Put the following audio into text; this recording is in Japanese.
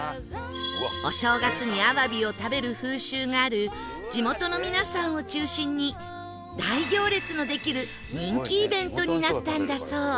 お正月にあわびを食べる風習がある地元の皆さんを中心に大行列のできる人気イベントになったんだそう